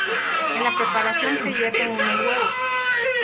En la preparación se hierven unos huevos.